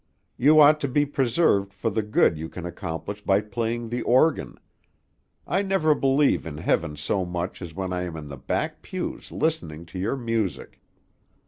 You ought to be preserved for the good you can accomplish by playing the organ. I never believe in heaven so much as when I am in the back pews listening to your music.